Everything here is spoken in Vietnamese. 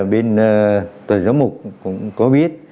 bên tòa giáo mục cũng có biết